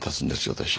私。